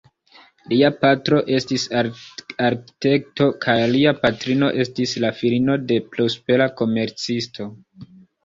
Lia patro estis arkitekto kaj lia patrino estis la filino de prospera komercisto.